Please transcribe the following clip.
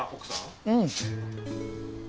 うん。